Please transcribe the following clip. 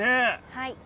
はい。